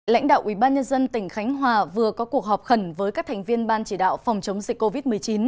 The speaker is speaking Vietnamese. lãnh đạo ubnd tỉnh khánh hòa vừa có cuộc họp khẩn với các thành viên ban chỉ đạo phòng chống dịch covid một mươi chín